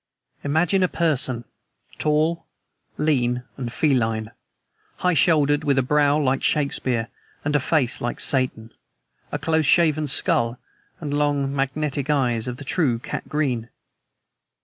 "Imagine a person, tall, lean and feline, high shouldered, with a brow like Shakespeare and a face like Satan, a close shaven skull, and long, magnetic eyes of the true cat green.